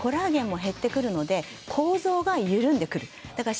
さらにコラーゲンも減ってくるので構造が緩んでくる。